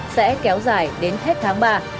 sẽ kéo dài đến hết tháng ba